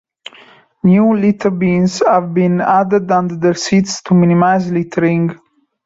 New litter bins have been added under the seats to minimise littering.